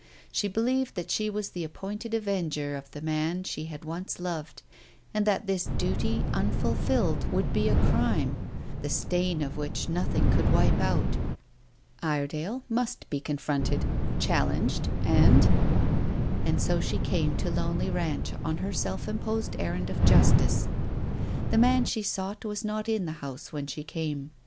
She believed that she was the appointed avenger of the man she had once loved, and that this duty unfulfilled would be a crime, the stain of which nothing could wipe out. Iredale must be confronted, challenged, and And so she came to Lonely Ranch on her self imposed errand of justice. The man she sought was not in the house when she came.